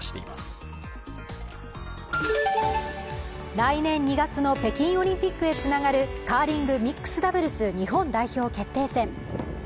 来年２月の北京オリンピックへつながるカーリングミックスダブルス日本代表決定戦。